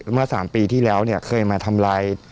เมื่อ๓ปีที่แล้วเนี่ยเคยมาทำลาย